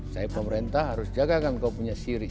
saya pemerintah harus jagakan kau punya syirik